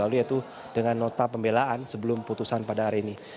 lalu yaitu dengan nota pembelaan sebelum putusan pada hari ini